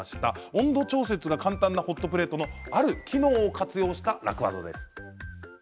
温度調節が簡単なホットプレートのある機能を活用した楽ワザです。